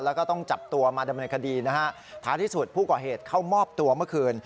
แล้วก็ต้องจับตัวมาดำเนินคดีนะฮะท้ายที่สุดผู้ก่อเหตุเข้ามอบตัวเมื่อคืน